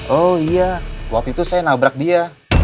oh iya waktu itu saya nabrak dia